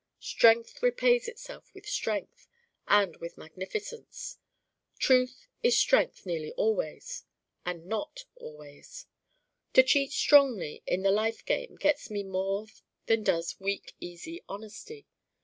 Strength repays itself with strength and with magnificence. Truth is strength nearly always: and not always. To cheat strongly in the life game gets me more than does Weak easy honesty.